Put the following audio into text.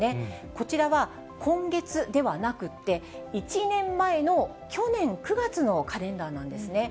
こちらは今月ではなくって、１年前の去年９月のカレンダーなんですね。